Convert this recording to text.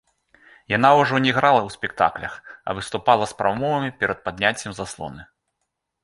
Яна ўжо не іграла ў спектаклях, а выступала з прамовамі перад падняццем заслоны.